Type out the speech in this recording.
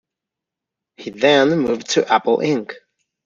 He then moved to Apple Inc.